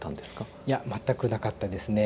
いや全くなかったですね。